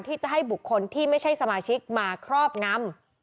ที่จะให้บุคคลที่ไม่ใช่สมาชิกมาครอบงำ